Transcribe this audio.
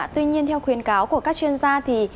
tuy nhiên theo khuyến cáo của các chuyên gia